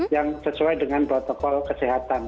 yang sesuai dengan protokol kesehatan